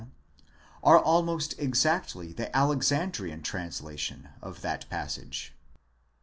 are almost exactly the Alexandrian translation of that passage.